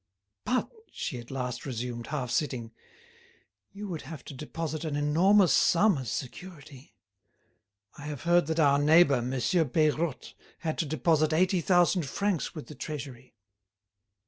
"But," she at last resumed, half sitting, "you would have to deposit an enormous sum as security. I have heard that our neighbour, Monsieur Peirotte, had to deposit eighty thousand francs with the Treasury."